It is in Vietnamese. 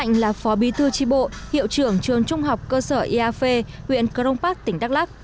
ông hạnh là phó bí thư tri bộ hiệu trưởng trường trung học cơ sở iav huyện crong park tỉnh đắk lắc